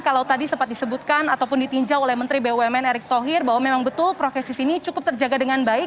kalau tadi sempat disebutkan ataupun ditinjau oleh menteri bumn erick thohir bahwa memang betul prokes di sini cukup terjaga dengan baik